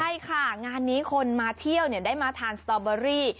ใช่ค่ะงานนี้คนมาเที่ยวได้มาทานสตอเบอรี่